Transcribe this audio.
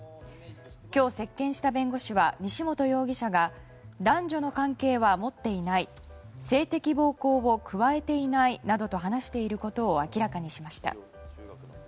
今日、接見した弁護士は西本容疑者が男女の関係は持っていない性的暴行を加えていないなどと話していることを明らかにしました。